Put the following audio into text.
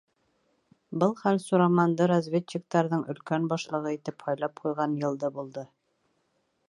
Был хәл Сураманды разведчиктарҙың Өлкән Башлығы итеп һайлап ҡуйған йылды булды.